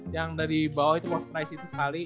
yang dari bawah itu posterize itu sekali